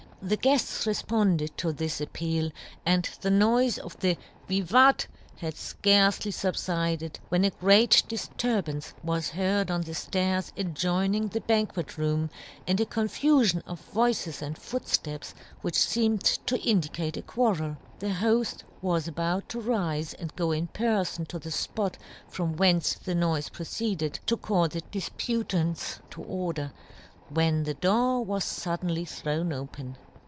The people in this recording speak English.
" The guefts refponded to this ap peal, and the noife of the "vrvat had fcarcely fubfided when a great dif turbance was heard on the flairs ad joining the banquet room, and a con fufion of voices and footfteps, which feemed to indicate a quarrel. The hoft was about to rife and go in per fon to the fpot from whence the noife proceeded, to call the difputants to order, when the door was fuddenly thrown open.